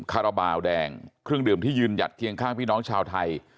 คาราบาลแดงเครื่องดื่มที่ยืนหยัดเคียงข้างพี่น้องชาวไทย